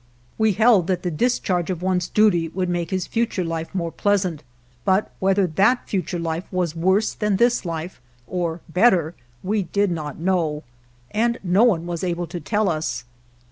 We held that the discharge of one's duty would make his future life more pleasant, but whether that future life was worse than % 207 GERONIMO this life or better, we did not know, and no one was able to tell us.